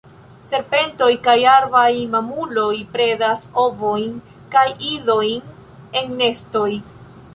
Serpentoj kaj arbaj mamuloj predas ovojn kaj idojn en nestoj.